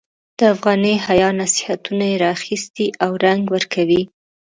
د افغاني حیا نصیحتونه یې را اخیستي او رنګ ورکوي.